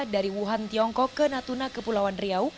dari wuhan tiongkok ke natuna kepulauan riau